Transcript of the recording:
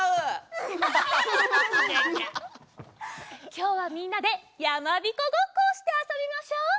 きょうはみんなでやまびこごっこをしてあそびましょう。